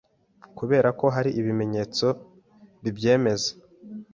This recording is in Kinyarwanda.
kubera ko hari ibimenyetso bibyemeza